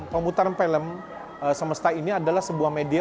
pemutaran film semesta ini adalah sebuah media